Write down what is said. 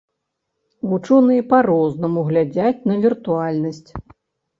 Вучоныя па-рознаму глядзяць на віртуальнасць.